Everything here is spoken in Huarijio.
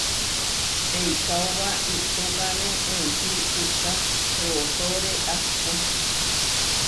Eikaóba iʼtókane enčí puʼká rootóre ahpó.